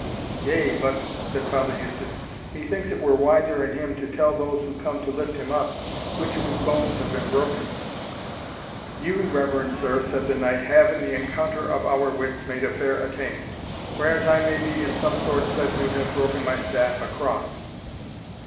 "Yea, but," said Father Eustace, "methinks it were wiser in him to tell those who come to lift him up, which of his bones have been broken." "You, reverend sir," said the knight, "have, in the encounter of our wits, made a fair attaint; whereas I may be in some sort said to have broken my staff across.